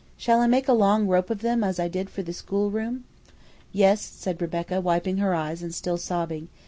Shall I make a long rope of them, as I did for the schoolroom?" "Yes," said Rebecca, wiping her eyes and still sobbing.